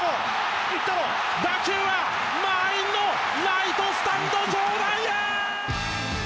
打球は満員のライトスタンド上段へ！